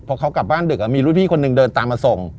พอเขากลับบ้านดึกมีรุ่นพี่คนหนึ่งเดินตามมาส่ง